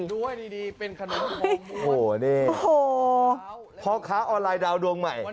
ดูไว้ดีเป็นขนมของโอ้โหพ่อค้าออนไลน์ดาวน์ดวงใหม่